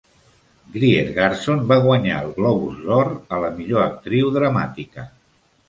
Greer Garson va guanyar el Globus d'Or a la millor actriu dramàtica.